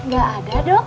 gak ada dok